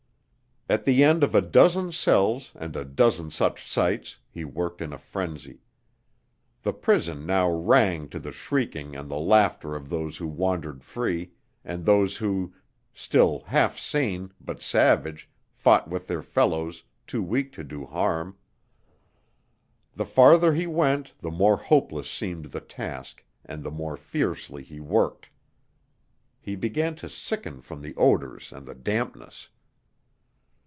At the end of a dozen cells and a dozen such sights, he worked in a frenzy. The prison now rang to the shrieking and the laughter of those who wandered free, and those who, still half sane, but savage, fought with their fellows, too weak to do harm. The farther he went the more hopeless seemed the task and the more fiercely he worked. He began to sicken from the odors and the dampness.